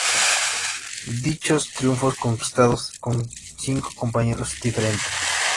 Dichos triunfos conquistados con cinco compañeros diferentes.